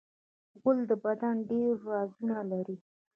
غول د بدن ډېری رازونه لري.